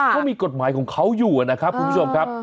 เขามีกฎหมายของเขาอยู่นะครับคุณผู้ชมครับ